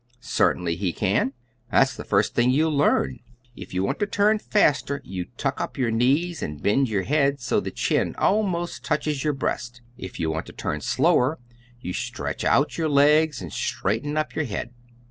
"Certainly he can. That's the first thing you learn. If you want to turn faster you tuck up your knees and bend your head so the chin almost touches your breast. If you want to turn slower you stretch out your legs and straighten up your head.